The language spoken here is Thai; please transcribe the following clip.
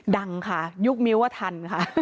ดังค่ะยกนิ้วว่าทันค่ะ